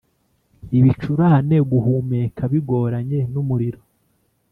ibicurane, guhumeka bigoranye n’umuriro